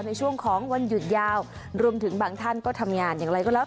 ในช่วงของวันหยุดยาวรวมถึงบางท่านก็ทำงานอย่างไรก็แล้ว